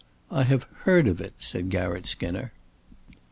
"I have heard of it," said Garratt Skinner.